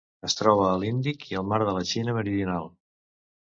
Es troba a l'Índic i al Mar de la Xina Meridional.